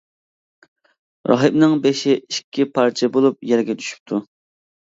راھىبنىڭ بېشى ئىككى پارچە بولۇپ يەرگە چۈشۈپتۇ.